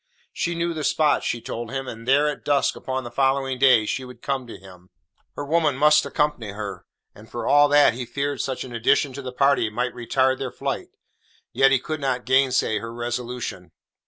She knew the spot, she told him, and there at dusk upon the following day she would come to him. Her woman must accompany her, and for all that he feared such an addition to the party might retard their flight, yet he could not gainsay her resolution.